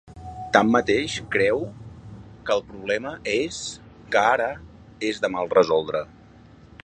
Tanmateix, creu que ‘el problema és que ara és de mal resoldre’.